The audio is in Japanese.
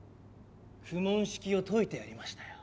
公文式を解いてやりましたよ。